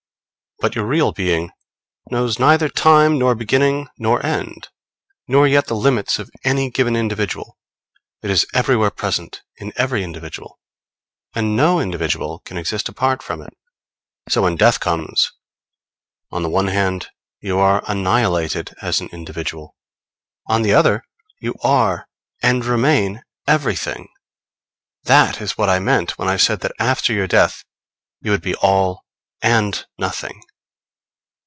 But your real being knows neither time, nor beginning, nor end, nor yet the limits of any given individual. It is everywhere present in every individual; and no individual can exist apart from it. So when death comes, on the one hand you are annihilated as an individual; on the other, you are and remain everything. That is what I meant when I said that after your death you would be all and nothing.